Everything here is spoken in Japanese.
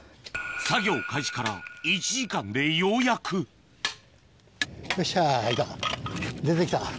作業開始から１時間でようやくよっしゃ出て来た。